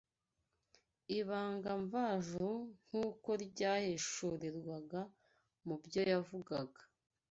ibanga mvajuru nk’uko ryahishurirwaga mu byo yavugaga